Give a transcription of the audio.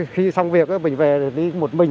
khi xong việc mình về đi một mình